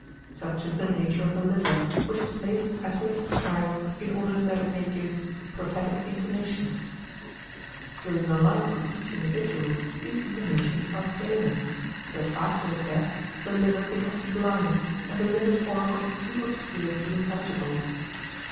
Such is the nature of the liver, which is placed as we have described in order that it may give prophetic intimations. During the life of each individual these intimations are plainer, but after his death the liver becomes blind, and delivers oracles too obscure to be intelligible.